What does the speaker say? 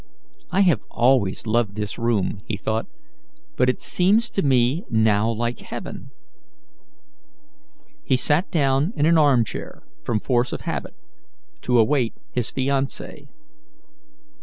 "I have always loved this room," he thought, "but it seems to me now like heaven." He sat down in an arm chair from force of habit, to await his fiancee.